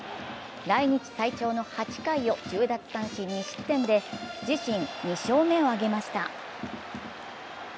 来日最長の８回を１０奪三振２失点で自身２勝目を挙げました。